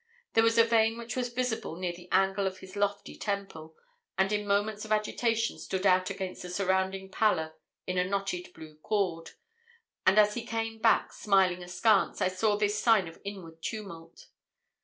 There was a vein which was visible near the angle of his lofty temple, and in moments of agitation stood out against the surrounding pallor in a knotted blue cord; and as he came back smiling askance, I saw this sign of inward tumult.